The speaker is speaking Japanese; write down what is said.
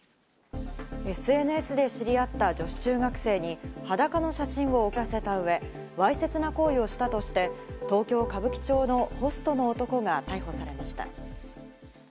ＳＮＳで知り合った女子中学生に裸の写真を送らせた上、わいせつな行為をしたとして東京・歌舞伎町のホストの男が逮捕されました。